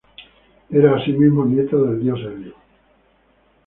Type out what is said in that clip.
Era, asimismo, nieta del dios Helios.